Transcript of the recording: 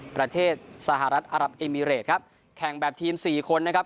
ประเทศสหรัฐอารับเอมิเรตครับแข่งแบบทีมสี่คนนะครับ